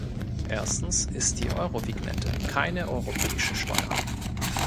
Erstens ist die Eurovignette keine europäische Steuer.